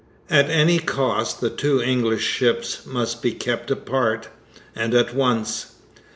At any cost the two English ships must be kept apart; and at once!